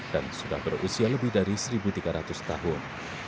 dan sudah berusia lebih dari seribu tiga ratus tahun